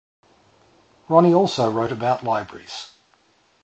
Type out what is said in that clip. Ronnie also wrote about libraries.